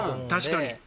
確かに。